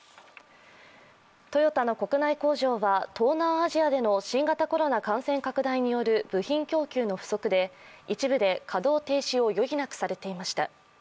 トヨタの国内工場は東南アジアでの新型コロナ感染拡大による部品供給の不足で一部で稼働停止を余儀なくされていました。